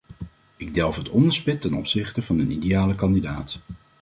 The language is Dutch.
Ik delf het onderspit ten opzichte van een ideale kandidaat.